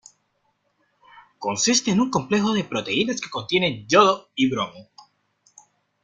Consiste en un complejo de proteínas que contiene yodo y bromo.